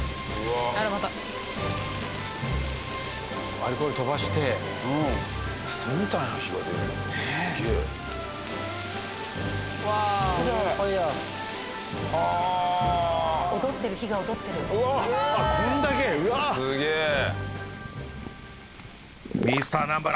アルコールとばして嘘みたいな火が出るすげえわあー踊ってる火が踊ってるこんだけうわっすげえミスター南原